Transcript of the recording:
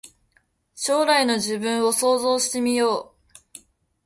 将来の自分を想像してみよう